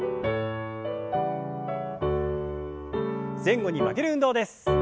前後に曲げる運動です。